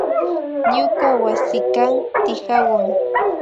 Ñuka wasikan tikawan